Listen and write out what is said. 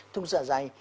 thông sở dài